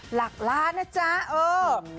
หลักล้านนะจ๊ะเออ